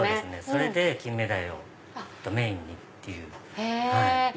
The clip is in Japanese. それでキンメダイをメインに。